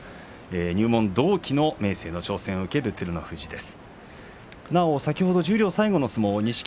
入門同期の明生の挑戦を受けるという形です。